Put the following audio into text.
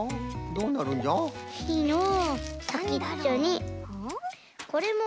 どうなるんじゃろう？